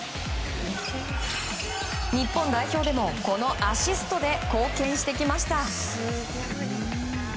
日本代表でも、このアシストで貢献してきました。